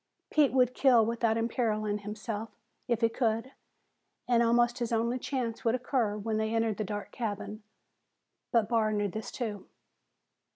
Pete would kill without imperiling himself, if he could, and almost his only chance would occur when they entered the dark cabin. But Barr knew this too.